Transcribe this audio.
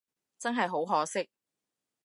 真係好可惜